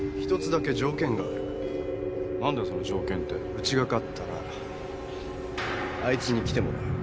うちが勝ったらあいつに来てもらう。